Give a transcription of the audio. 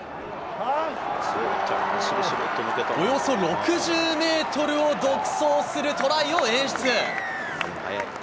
およそ６０メートルを独走するトライを演出。